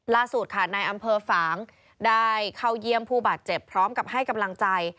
ล่าสุดค่ะนายอำเภอฝางได้เข้าเยี่ยมผู้บาดเจ็บพร้อมกับให้กำลังใจ